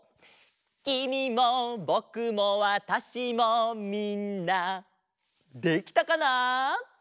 「きみもぼくもわたしもみんな」できたかな？